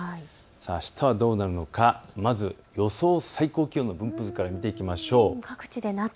あしたはどうなるのか、まず予想最高気温の分布から見ていきましょう。